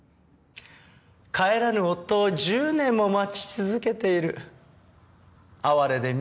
帰らぬ夫を１０年も待ち続けている哀れで惨めな女ですもの。